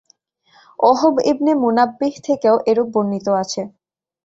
ওহব ibn Munabbih থেকেও এরূপ বর্ণিত আছে।